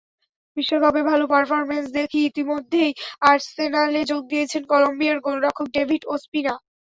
বিশ্বকাপে ভালো পারফরম্যান্স দেখিয়ে ইতিমধ্যেই আর্সেনালে যোগ দিয়েছেন কলম্বিয়ার গোলরক্ষক ডেভিড ওসপিনা।